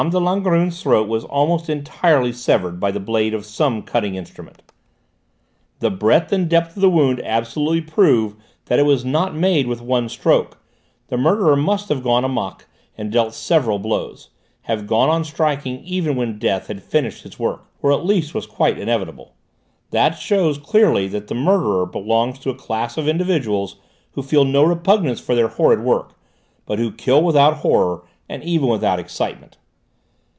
de Langrune's throat was almost entirely severed by the blade of some cutting instrument. The breadth and depth of the wound absolutely prove that it was not made with one stroke; the murderer must have gone amok and dealt several blows have gone on striking even when death had finished his work, or at least was quite inevitable; that shows clearly that the murderer belongs to a class of individuals who feel no repugnance for their horrid work, but who kill without horror, and even without excitement.